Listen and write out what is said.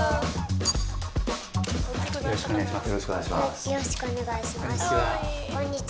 よろしくお願いします。